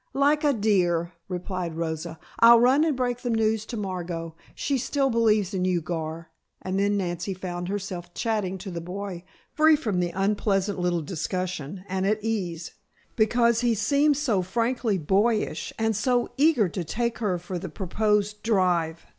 "Like a dear," replied Rosa. "I'll run and break the news to Margot. She still believes in you, Gar," and then Nancy found herself chatting to the boy, free from the unpleasant little discussion and at ease, because he seemed so frankly boyish and so eager to take her for the proposed drive.